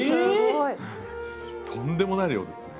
とんでもない量ですね。